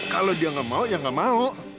kalau dia nggak mau ya nggak mau